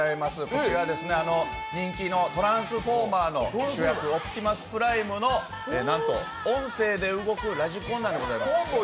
こちらは人気の「トランスフォーマー」の主役オプティマスプライムのなんと音声で動くラジコンなんです。